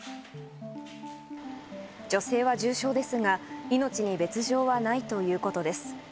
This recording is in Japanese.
女性は重傷ですが命に別条はないということです。